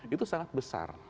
itu sangat besar